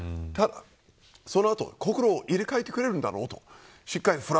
ただ、その後、心を入れ替えてくれるんだろうと思いました。